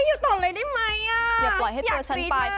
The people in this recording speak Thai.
อยู่ทะเลได้ไหมยังปล่อยให้ตัวฉันไป